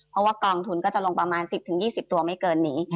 เพราะว่ากองทุนก็จะลงประมาณ๑๐๒๐ตัวไม่เกินนี้